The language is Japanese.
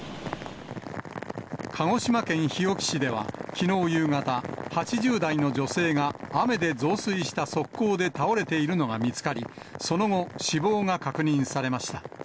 鹿児島県日置市ではきのう夕方、８０代の女性が雨で増水した側溝で倒れているのが見つかり、その後、死亡が確認されました。